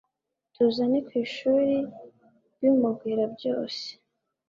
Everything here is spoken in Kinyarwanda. tuzane kwishuri mbimubwira byose